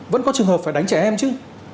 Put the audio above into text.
vẫn có trường hợp phải đánh trẻ em chứ